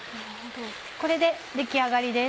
これで出来上がりです